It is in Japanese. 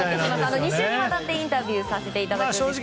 ２週にわたってインタビューをさせていただくんですが。